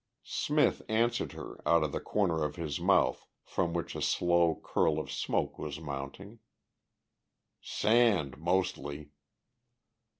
Smith answered her out of the corner of his mouth from which a slow curl of smoke was mounting: "Sand, mostly."